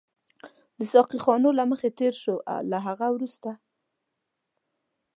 د ساقي خانو له مخې تېر شوو، له هغه وروسته.